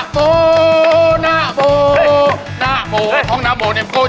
ดับนะดับดับ